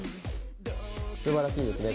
素晴らしいですね。